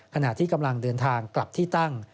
ขณะที่กำลังเดินทางกลับที่ตั้ง